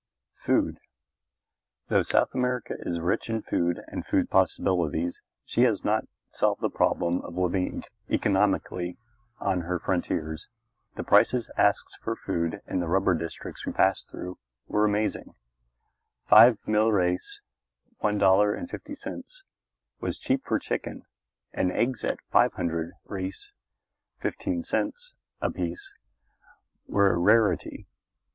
FOOD Though South America is rich in food and food possibilities, she has not solved the problem of living economically on her frontiers. The prices asked for food in the rubber districts we passed through were amazing. Five milreis (one dollar and fifty cents) was cheap for a chicken, and eggs at five hundred reis (fifteen cents) apiece were a rarity.